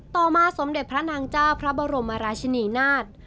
ต่อมาสมเด็จพระนางเจ้าพระบรมราชินีนาฏ